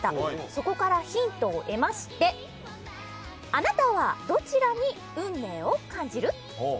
そこからヒントを得ましてあなたはどちらに運命を感じる？